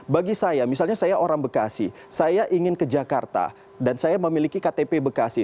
bagi saya misalnya saya orang bekasi saya ingin ke jakarta dan saya memiliki ktp bekasi